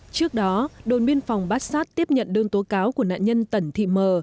trước đó đồn biên phòng bát sát tiếp nhận đơn tố cáo của nạn nhân tần thị m